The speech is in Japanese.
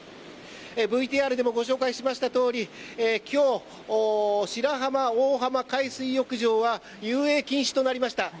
ＶＴＲでもご紹介しましたとおり今日、白浜大浜海水浴場は遊泳禁止となりました。